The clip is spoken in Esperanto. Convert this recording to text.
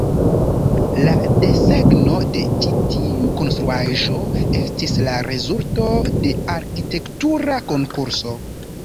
La desegno de ĉi tiu konstruaĵo estis la rezulto de arkitektura konkurso.